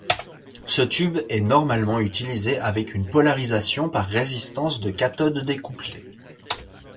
Ce tube est normalement utilisé avec une polarisation par résistance de cathode découplée.